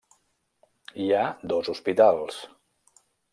Hi ha dos hospitals.